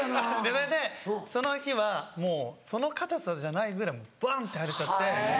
それでその日はもうその硬さじゃないぐらいバン！って腫れちゃって。